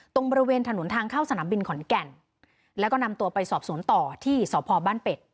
ตรงบริเวณถนนทางเข้าสนามบินขอนแก่นแล้วก็นำตัวไปสอบสวนต่อที่สพบ้านเป็ด